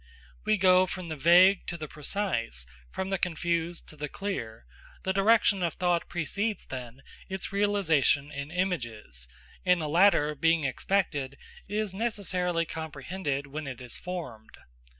We go from the vague to the precise, from the confused to the clear; the direction of thought precedes, then, its realisation in images; and the latter, being expected, is necessarily comprehended when it is formed.